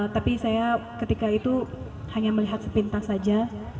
tapi saya ketika itu hanya melihat sepintas saja